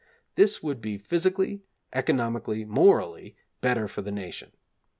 This would be physically, economically, morally, better for the nation.